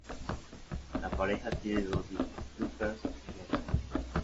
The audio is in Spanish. La pareja tiene dos hijos, Lucas y Jackson.